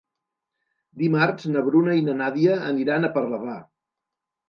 Dimarts na Bruna i na Nàdia aniran a Parlavà.